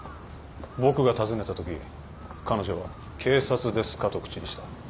僕が訪ねたとき彼女は「警察ですか？」と口にした。